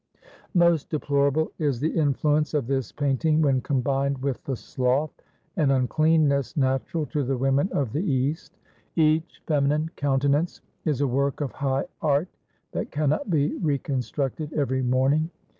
"Most deplorable is the influence of this painting when combined with the sloth and uncleanness natural to the women of the East. Each feminine countenance is a work of high art that cannot be reconstructed every morning.